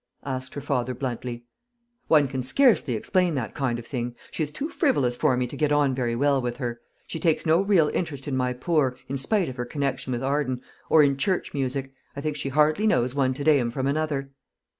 asked her father bluntly. "One can scarcely explain that kind of thing. She is too frivolous for me to get on very well with her. She takes no real interest in my poor, in spite of her connection with Arden, or in church music. I think she hardly knows one Te Deum from another."